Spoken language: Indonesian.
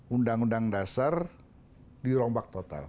undang undang dasar dirombak total